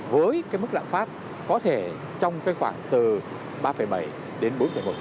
với cái mức lạng pháp có thể trong cái khoảng từ ba bảy đến bốn một